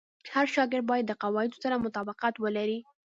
هر شاګرد باید د قواعدو سره مطابقت ولري.